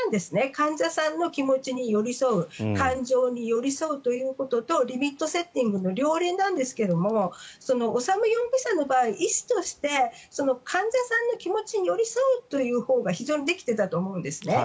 患者さんの気持ちに寄り添う感情に寄り添うということとリミットセッティングの両輪なんですが修容疑者の場合医師として患者さんの気持ちに寄り添うというほうは非常にできていたと思うんですね。